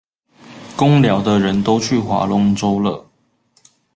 工寮的人都去划龍舟了